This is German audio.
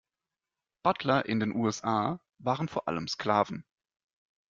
Butler in den U S A waren vor allem Sklaven.